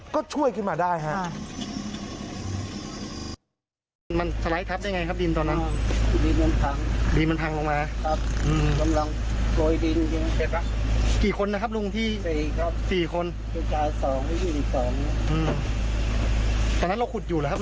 ก็ช่วยกินมาได้ฮะ